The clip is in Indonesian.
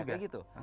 iya kayak gitu